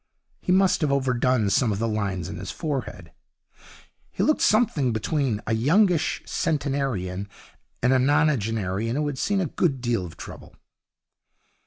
He must have overdone some of the lines on his forehead. He looked something between a youngish centenarian and a nonagenarian who had seen a good deal of trouble.